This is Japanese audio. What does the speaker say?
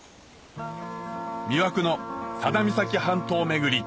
魅惑の佐田岬半島巡り！